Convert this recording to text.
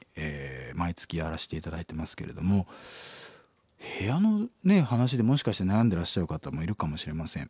毎月やらせて頂いてますけれども部屋の話でもしかして悩んでらっしゃる方もいるかもしれません。